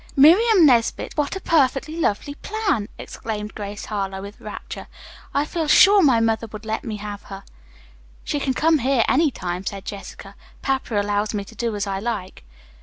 "Miriam Nesbit, what a perfectly lovely plan!" exclaimed Grace Harlowe with rapture. "I feel sure mother would let me have her." "She can come here any time," said Jessica. "Papa allows me to do as I like."